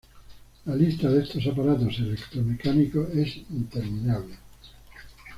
La lista de estos aparatos electromecánicos es interminable.